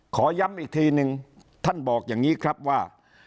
ขอย้ำอีกทีนึงท่านบอกอย่างนี้ครับว่า